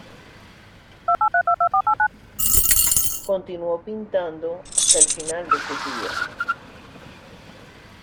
Continuó pintando hasta el final de sus días.